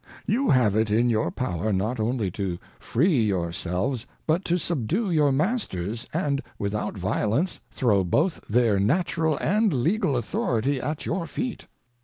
You have it in your power not only to free your selves, but to subdue your Masters, and without violence throw both their Natural and Legal Authority at your Feet.